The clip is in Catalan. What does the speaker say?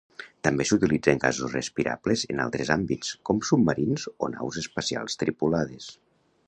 També s'utilitzen gasos respirables en altres àmbits com submarins o naus espacials tripulades.